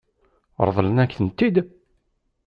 Ṛeḍlen-ak-tent-id?